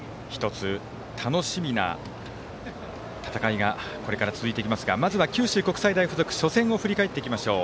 １つ、楽しみな戦いがこれから続いていきますがまずは九州国際大付属初戦を振り返ってまいりましょう。